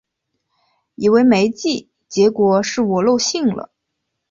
以为没寄，结果是我漏信了